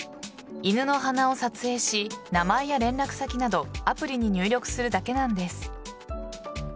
犬の鼻を撮影し名前や連絡先などアプリに入力するだけなんです。